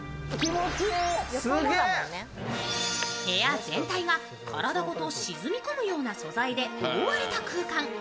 部屋全体が体ごと沈み込むような素材で覆われた空間。